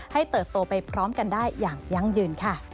เติบโตไปพร้อมกันได้อย่างยั่งยืนค่ะ